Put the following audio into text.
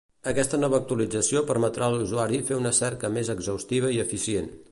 Aquesta nova actualització permetrà a l'usuari fer una cerca més exhaustiva i eficient.